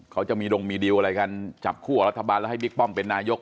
เขาจะมีดงมีดิวอะไรกันจับคู่กับรัฐบาลแล้วให้บิ๊กป้อมเป็นนายก